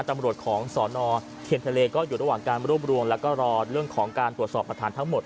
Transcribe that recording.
ตำรวจของสอนอเทียนทะเลก็อยู่ระหว่างการรวบรวมแล้วก็รอเรื่องของการตรวจสอบประธานทั้งหมด